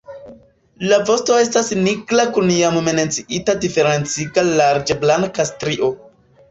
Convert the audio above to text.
La vosto estas nigra kun jam menciita diferenciga larĝa blanka strio.